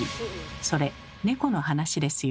それ猫の話ですよ。